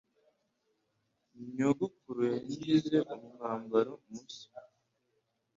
Nyogokuru yangize umwambaro mushya.